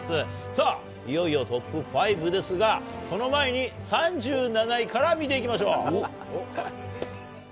さあ、いよいよトップ５ですが、その前に３７位から見ていきましょう。